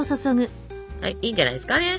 はいいいんじゃないですかね。